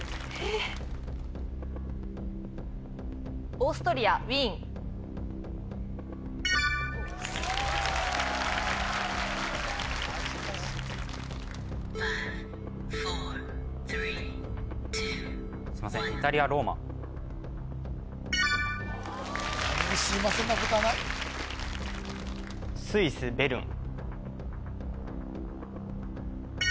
オーストリア・ウィーンすいませんイタリア・ローマ何も「すいません」なことはないスイス・ベルン